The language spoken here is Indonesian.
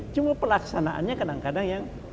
cuma pelaksanaannya kadang kadang yang